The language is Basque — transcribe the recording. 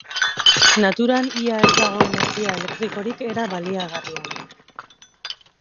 Naturan ia ez dago energia elektrikorik era baliagarrian.